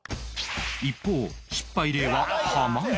一方失敗例は濱家